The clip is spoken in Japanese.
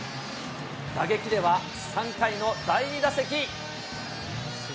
打撃では３回の第２打席。